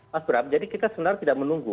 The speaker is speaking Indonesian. mas bram jadi kita sebenarnya tidak menunggu